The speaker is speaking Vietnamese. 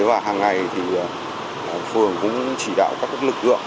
và hàng ngày thì phường cũng chỉ đạo các lực lượng